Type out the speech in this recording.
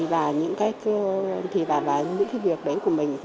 và những cái việc đấy của mình